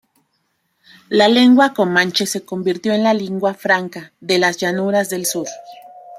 La lengua comanche se convirtió en la lingua franca de las llanuras del sur.